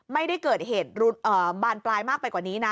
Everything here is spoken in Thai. ไม่ได้เกิดเหตุบานปลายมากไปกว่านี้นะ